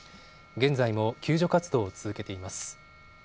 現在も救助活動を続けています。